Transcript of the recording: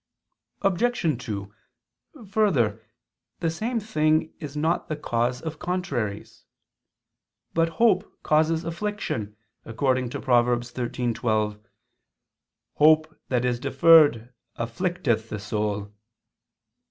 Obj. 2: Further, the same thing is not the cause of contraries. But hope causes affliction, according to Prov. 13:12: "Hope that is deferred afflicteth the soul."